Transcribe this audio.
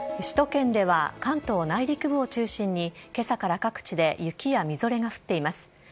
首都圏では関東内陸部を中心に今朝から各地で雪やみぞれが降っています。